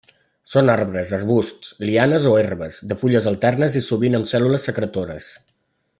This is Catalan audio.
Són arbres, arbusts, lianes o herbes, de fulles alternes i sovint amb cèl·lules secretores.